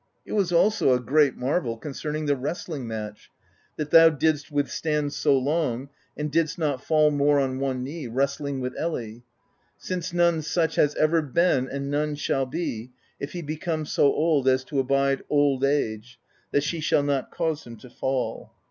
It was also a great marvel concerning the wrestling match, when thou didst withstand so long, and didst not fall more than on one knee, wrestling with Elli; since none such has ever been and none shall be, if he become so old as to abide "Old Age," that she shall not cause him to fall.